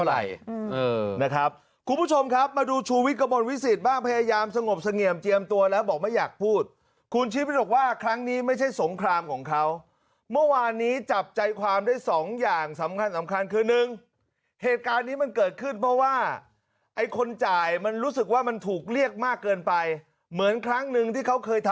นะครับคุณผู้ชมครับมาดูชูวิทย์กระมวลวิสิตบ้างพยายามสงบเสงี่ยมเจียมตัวแล้วบอกไม่อยากพูดคุณชีวิตบอกว่าครั้งนี้ไม่ใช่สงครามของเขาเมื่อวานนี้จับใจความได้สองอย่างสำคัญสำคัญคือหนึ่งเหตุการณ์นี้มันเกิดขึ้นเพราะว่าไอ้คนจ่ายมันรู้สึกว่ามันถูกเรียกมากเกินไปเหมือนครั้งหนึ่งที่เขาเคยทำ